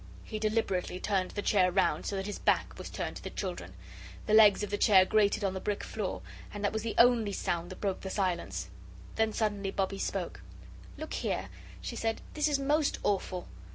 He deliberately turned the chair round so that his back was turned to the children. The legs of the chair grated on the brick floor, and that was the only sound that broke the silence. Then suddenly Bobbie spoke. "Look here," she said, "this is most awful."